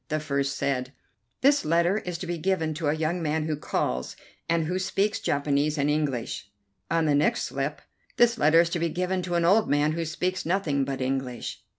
The first said: "This letter is to be given to a young man who calls, and who speaks Japanese and English." On the next slip: "This letter is to be given to an old man who speaks nothing but English."